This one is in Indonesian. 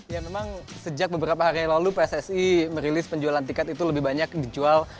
ya memang sejak beberapa hari lalu pssi merilis penjualan tiket itu lebih banyak dijual